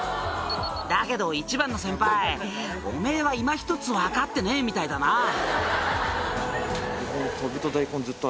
「だけど一番の先輩おめぇはいまひとつ分かってねえみたいだな」